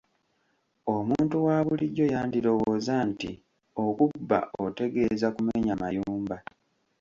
Omuntu wa bulijjo yandirowooza nti okubba otegeeza kumenya mayumba.